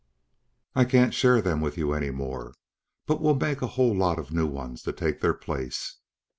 I can't share them with you anymore. But we'll make a whole lot of new ones to take their place."